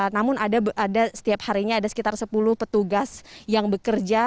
namun ada setiap harinya ada sekitar sepuluh petugas yang bekerja